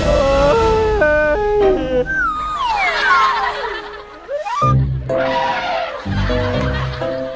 โอ้ย